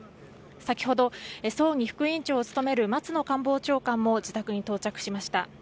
先ほど葬儀副委員長を務める松野官房長官も自宅に到着しました。